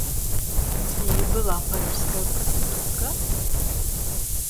Ці была парыжская прастытутка?